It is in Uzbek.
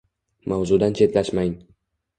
Mavzudan chetlashmang